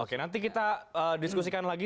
oke nanti kita diskusikan lagi